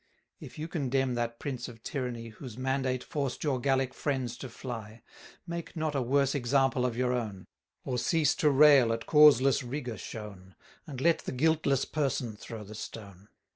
If you condemn that prince of tyranny, 680 Whose mandate forced your Gallic friends to fly, Make not a worse example of your own; Or cease to rail at causeless rigour shown, And let the guiltless person throw the stone.